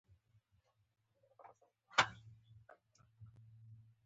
انسان وتوانید چې ساده کاري وسایل جوړ کړي.